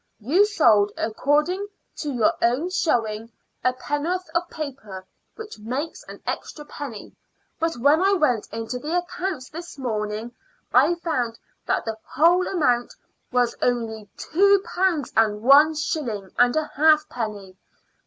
You sold, according to your own showing, a penn'orth of paper, which makes an extra penny; but when I went into the accounts this morning I found that the whole amount was only two pounds one shilling and a halfpenny.